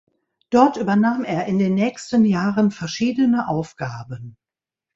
Dort übernahm er in den nächsten Jahren verschiedene Aufgaben.